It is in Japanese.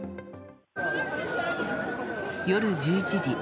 夜１１時。